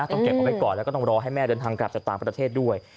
ต้องเก็บออกไปก่อนและรอให้แม่เดินทางกลับจากต่างประเทศด้วย